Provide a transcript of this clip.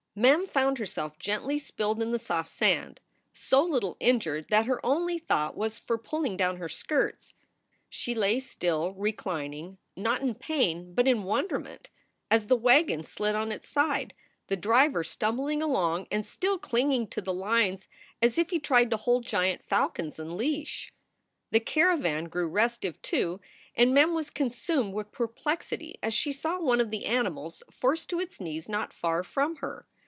Mem found herself gently spilled in the soft sand, so little injured that her only thought was for pulling down her skirts. She lay still, reclining, not in pain, but in wonderment, as the wagon slid on its side, the driver stumbling along and still clinging to the lines as if he tried to hold giant falcons in leash. The caravan grew restive, too, and Mem was consumed with perplexity as she saw one of the animals forced to its knees not far from her.